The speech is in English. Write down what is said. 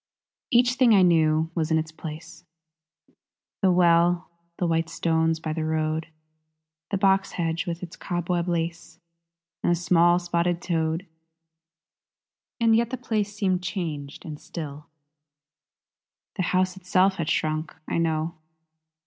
Each thing I knew was in its place; The well, the white stones by the road, The box hedge with its cobweb lace, And a small spotted toad. And yet the place seemed changed and still; The house itself had shrunk, I know.